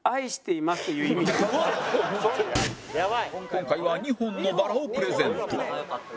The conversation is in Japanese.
今回は２本のバラをプレゼント